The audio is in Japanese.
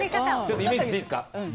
イメージしていいですか？